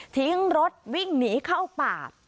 ทิ้งรถวิ่งหนีเข้าป่า